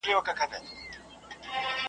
موږ څو ځلي د لستوڼي مار چیچلي .